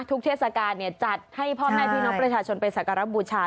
เทศกาลจัดให้พ่อแม่พี่น้องประชาชนไปสักการะบูชา